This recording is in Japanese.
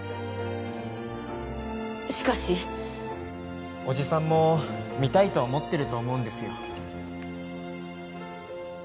しかしおじさんも見たいと思ってると思うんですよ